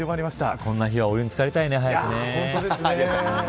こんな日はお湯に漬かりたいよね。早くね。